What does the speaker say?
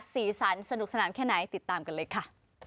สีสันสนุกสนานแค่ไหนติดตามกันเลยค่ะ